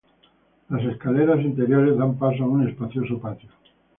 Las escaleras interiores dan paso a un espacioso patio.